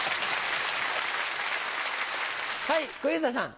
はい小遊三さん。